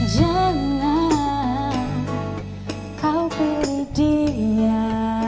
jangan kau pilih dia